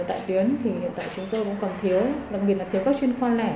tại tuyến thì hiện tại chúng tôi cũng còn thiếu đặc biệt là thiếu các chuyên khoa lẻ